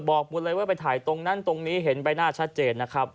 บอกหมดเลยว่าไปถ่ายตรงนั้นตรงนี้เห็นใบหน้าชัดเจนนะครับ